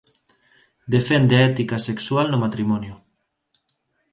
Defende a ética sexual no matrimonio.